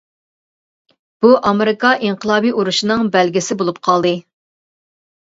بۇ ئامېرىكا ئىنقىلابىي ئۇرۇشىنىڭ بەلگىسى بولۇپ قالدى.